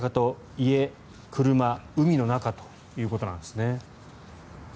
家、車海の中ということなんですね。